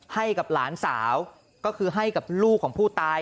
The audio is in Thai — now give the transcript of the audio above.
ให้กับหลานสาวก็คือให้กับลูกของผู้ตาย